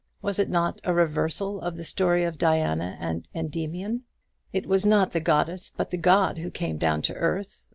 Was it not a reversal of the story of Diana and Endymion? It was not the goddess, but the god, who came down to earth.